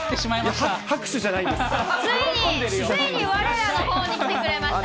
ついにわれらのほうに来てくれましたね。